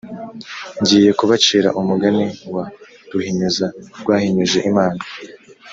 Ngiye kubacira umugani wa Ruhinyuza rwahinyuje Imana.